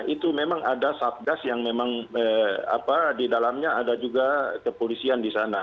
itu memang ada satgas yang memang di dalamnya ada juga kepolisian di sana